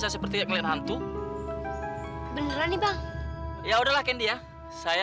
mbak uriah penguasa sahabat